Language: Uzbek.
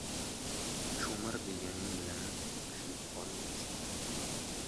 • “Ko‘mir” deganing bilan kuyib qolmaysan.